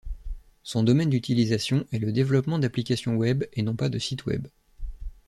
Son domaine d'utilisation est le développement d'applications web et non pas de sites web.